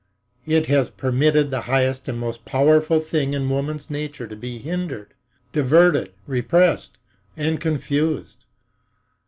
It has permitted the highest and most powerful thing in woman's nature to be hindered, diverted, repressed and confused.